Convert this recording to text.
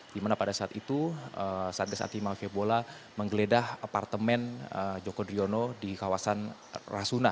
dimana pada saat itu satgas anti maf membola menggeledah apartemen joko riono di kawasan rasuna